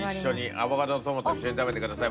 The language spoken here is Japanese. アボカドとトマト一緒に食べてください。